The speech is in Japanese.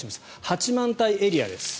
八幡平エリアです。